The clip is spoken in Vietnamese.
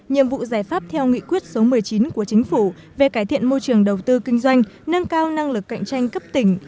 nhiệm vụ giải pháp theo nghị quyết số một mươi chín của chính phủ về cải thiện môi trường đầu tư kinh doanh nâng cao năng lực cạnh tranh cấp tỉnh